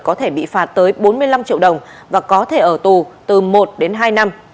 có thể bị phạt tới bốn mươi năm triệu đồng và có thể ở tù từ một đến hai năm